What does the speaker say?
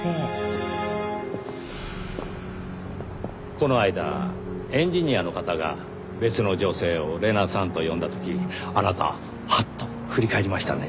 この間エンジニアの方が別の女性を「レナさん」と呼んだ時あなたハッと振り返りましたね。